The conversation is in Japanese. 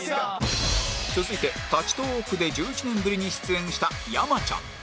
続いて立ちトーークで１１年ぶりに出演した山ちゃん